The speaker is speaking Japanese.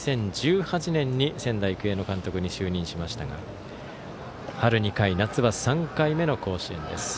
２０１８年に仙台育英の監督に就任しましたが春２回、夏は３回目の甲子園です。